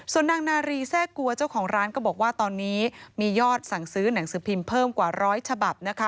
ส่วนนางนารีแทรกัวเจ้าของร้านก็บอกว่าตอนนี้มียอดสั่งซื้อหนังสือพิมพ์เพิ่มกว่าร้อยฉบับนะคะ